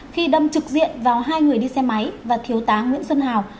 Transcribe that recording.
khi đâm trực diện vào hai người đi xe máy và thiếu tá nguyễn xuân hào